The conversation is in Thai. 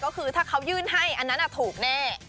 ก็คือถ้าเขายื่นให้อันนั้นถูกแน่